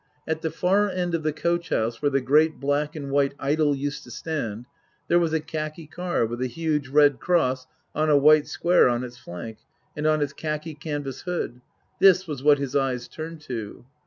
At the far end of the coach house where the great black and white idol used to stand there was a khaki car with a huge red cross on a white square on its flank and on its khaki canvas hood. This was what his eyes turned to.